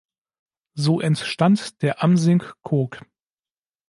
So entstand der Amsinck-Koog.